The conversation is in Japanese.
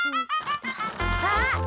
あっ！